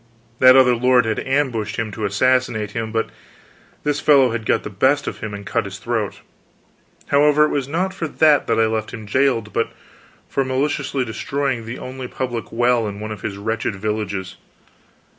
That other lord had ambushed him to assassinate him, but this fellow had got the best of him and cut his throat. However, it was not for that that I left him jailed, but for maliciously destroying the only public well in one of his wretched villages.